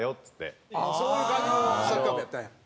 そういう感じのサッカー部やったんや。